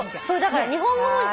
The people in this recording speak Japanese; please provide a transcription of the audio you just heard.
そうだから日本語も。